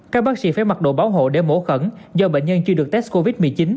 các bác sĩ phải mặc đồ bảo hộ để mổ khẩn do bệnh nhân chưa được test covid một mươi chín